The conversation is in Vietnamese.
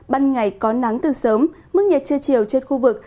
ban ngày có nắng từ sớm mức nhiệt chưa chiều trên khu vực